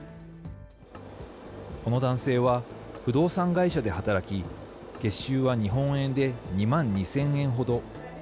この男性は不動産会社で働き、月収は日本円で２万２０００円ほど。